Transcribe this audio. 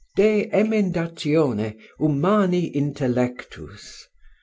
De Emendatione Humani Intellectus.